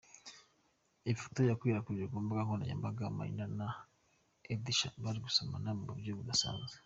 Ifoto yakwirakwijwe ku mbuga nkoranyambaga Marina na Edsha bari gusomana mu buryo budasanzwe.